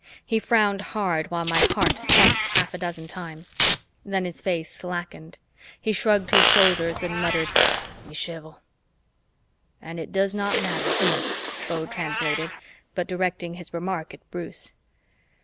He frowned hard while my heart thumped half a dozen times. Then his face slackened, he shrugged his shoulders and muttered, "Nichevo." "And it does not matter, sir," Beau translated, but directing his remark at Bruce.